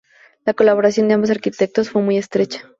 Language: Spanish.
La colaboración de ambos arquitectos fue muy estrecha.